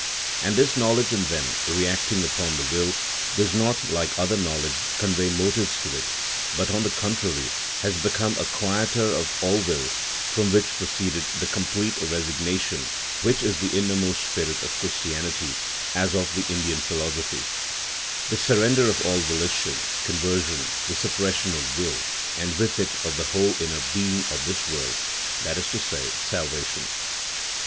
And this knowledge in them, reacting upon the will, does not, like other knowledge, convey motives to it, but on the contrary has become a quieter of all will, from which proceeded the complete resignation, which is the innermost spirit of Christianity, as of the Indian philosophy; the surrender of all volition, conversion, the suppression of will, and with it of the whole inner being of this world, that is to say, salvation.